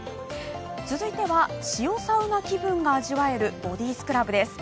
続いては塩サウナ気分が味わえるボディースクラブです。